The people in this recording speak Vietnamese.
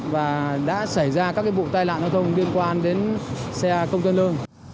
và đã xảy ra các bộ tai lạc giao thông liên quan đến xe container